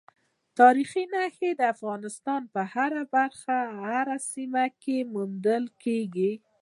تاریخي نښې د افغانستان په هره برخه او هره سیمه کې موندل کېږي.